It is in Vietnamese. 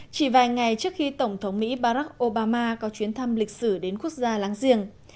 chỉ vài ngày trước khi tổng thống mỹ barack obama có chuyến thăm lịch sử đến quốc gia láng giềng